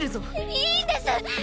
いいんですッ！